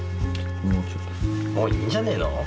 もういいんじゃねえの。